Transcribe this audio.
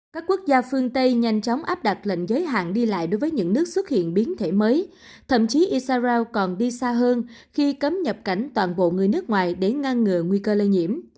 các quốc gia phương tây nhanh chóng áp đặt lệnh giới hạn đi lại đối với những nước xuất hiện biến thể mới thậm chí isarao còn đi xa hơn khi cấm nhập cảnh toàn bộ người nước ngoài để ngăn ngừa nguy cơ lây nhiễm